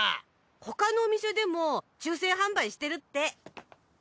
ほかのお店でも抽選販売してるって。